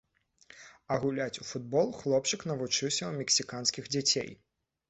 А гуляць у футбол хлопчык навучыўся ў мексіканскіх дзяцей.